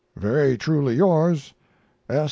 Very truly yours, S.